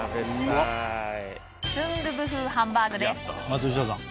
松下さん。